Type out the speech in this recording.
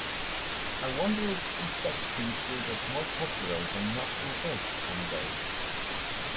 I wonder if C-sections will get more popular than natural births one day.